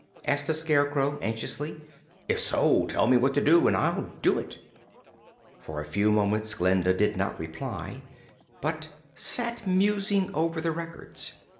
asked the Scarecrow, anxiously. "If so, tell me what to do, and I'll do it." For a few moments Glinda did not reply, but sat musing over the records.